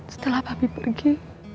setelah papi pergi